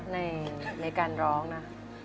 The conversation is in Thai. ในการร้องนะ